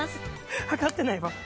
量ってないわ。